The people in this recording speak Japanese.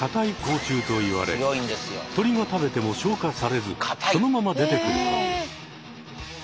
鳥が食べても消化されずそのまま出てくるという。